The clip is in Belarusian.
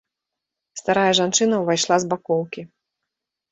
Старая жанчына ўвайшла з бакоўкі.